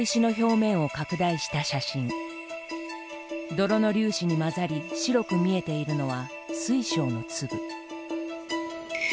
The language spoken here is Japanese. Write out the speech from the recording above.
泥の粒子に混ざり白く見えているのは水晶の粒。